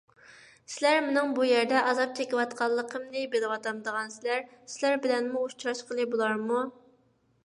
سىلەر مېنىڭ بۇ يەردە ئازاب چېكىۋاتقانلىقىمنى بىلىۋاتامدىغانسىلەر؟ سىلەر بىلەنمۇ ئۇچراشقىلى بولارمۇ؟